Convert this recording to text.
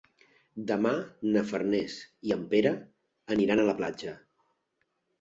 Demà na Farners i en Pere aniran a la platja.